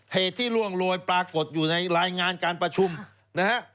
เหตุที่ล่วงโรยปรากฏอยู่ในรายงานการประชุมนะฮะ